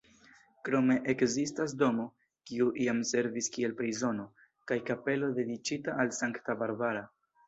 Krome ekzistas domo, kiu iam servis kiel prizono, kaj kapelo dediĉita al Sankta Barbara.